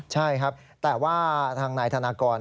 ใช่ครับแต่ว่าทางนายธนากร